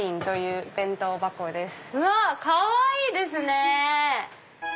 うわっかわいいですね！